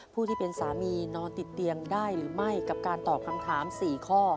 ผู้ที่เป็นสามีนอนติดเตียงได้หรือไม่กับการตอบคำถาม๔ข้อ